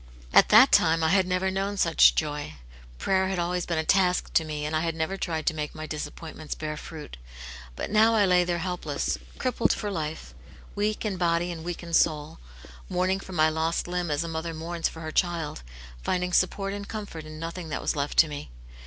At that time I had never known such joy ; prayer had always been a task to me, and I had never tried to make my disappointments bear fruit. But now I lay there helpless, crippled for life, weak in body and weak in soul ; mourning for my lost limb as a mother mourns for her child, finding support and comfort in nothing that was left to me.